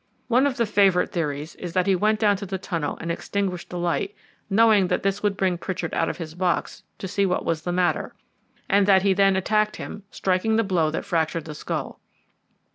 One of the favourite theories is that he went down to the tunnel and extinguished the light, knowing that this would bring Pritchard out of his box to see what was the matter, and that he then attacked him, striking the blow which fractured the skull."